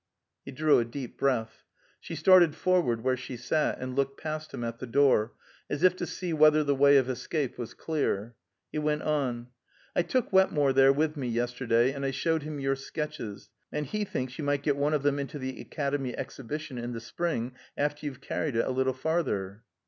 He drew a deep breath. She started forward where she sat, and looked past him at the door, as if to see whether the way of escape was clear. He went on: "I took Wetmore there with me yesterday, and I showed him your sketches, and he thinks you might get one of them into the Academy exhibition in the spring, after you've carried it a little farther."